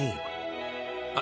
あ